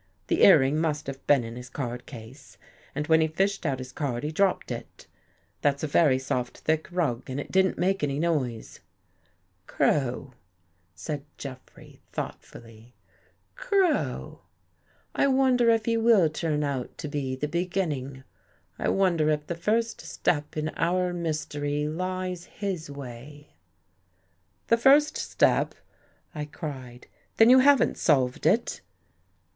The earring must have been in his card case and when he fished out his card, he dropped it. That's a very soft, thick rug and it didn't make any noise." '' Crow," said Jeffrey, thoughtfully^ " Crow. I wonder if he will turn out to be the beginning. I wonder if the first step in our mystery lies his way." " The first step !" I cried. " Then you haven't solved it?